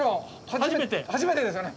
初めてですよね。